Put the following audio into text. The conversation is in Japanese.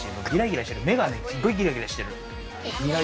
目がすごいギラギラしてる。